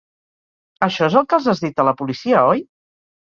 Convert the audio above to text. Això és el que els has dit a la policia, oi?